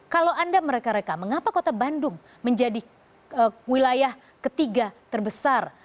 kalau anda mereka reka mengapa kota bandung menjadi wilayah ketiga terbesar